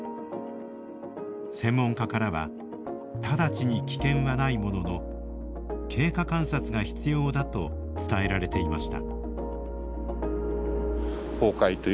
専門家からは直ちに危険はないものの経過観察が必要だと伝えられていました。